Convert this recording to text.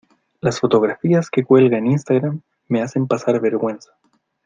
Las fotografías que cuelga en Instagram me hacen pasar vergüenza.